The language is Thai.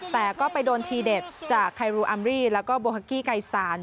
แต่ก็ไปโดนทีเด็ดจากไครูอัมรี่แล้วก็โบฮักกี้ไกซาน